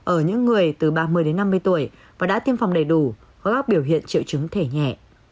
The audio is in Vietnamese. ở những người từ ba mươi đến năm mươi tuổi và đã tiêm phòng đầy đủ các biểu hiện triệu chứng thể nhẹ